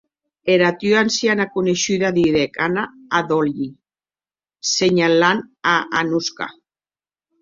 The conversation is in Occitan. Era tua anciana coneishuda, didec Anna a Dolly, senhalant a Anuchka.